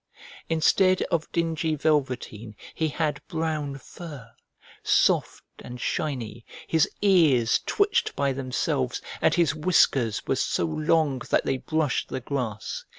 Instead of dingy velveteen he had brown fur, soft and shiny, his ears twitched by themselves, and his whiskers were so long that they brushed the grass.